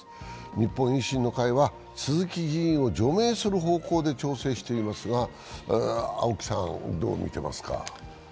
日本維新の会は鈴木議員を除名する方向で調整していますが青木さん、どう見ていますか。